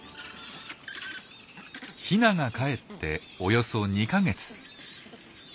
ヒナがかえっておよそ２か月。